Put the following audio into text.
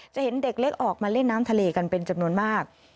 จะเห็นเด็กเล็กออกมาเล่นน้ำทะเลกันเป็นจำนวนมาก